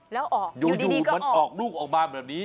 แล้วออกอยู่ดีก็ออกดูมันออกลูกออกมาแบบนี้